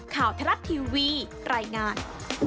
ข่าวทรัพย์ทีวีไตรงาน